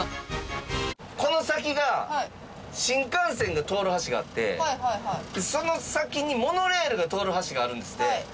この先が新幹線が通る橋があってその先にモノレールが通る橋があるんですって。